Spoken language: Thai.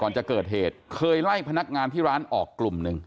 จะเกิดเหตุเคยไล่พนักงานที่ร้านออกกลุ่มหนึ่ง